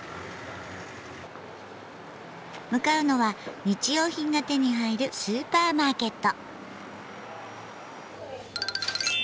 向かうのは日用品が手に入るスーパーマーケット。